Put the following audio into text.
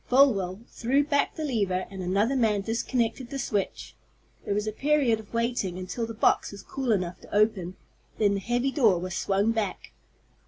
Folwell threw back the lever, and another man disconnected the switch. There was a period of waiting until the box was cool enough to open. Then the heavy door was swung back.